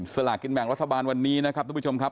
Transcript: สลากินแบ่งรัฐบาลวันนี้นะครับทุกผู้ชมครับ